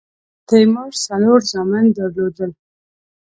تیمور څلور زامن درلودل.